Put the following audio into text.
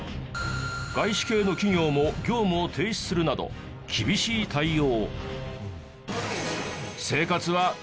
外資系の企業も業務を停止するなど厳しい対応。